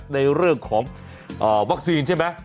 ในเรื่องของวัคซีนใช่ไหม